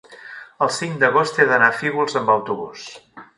el cinc d'agost he d'anar a Fígols amb autobús.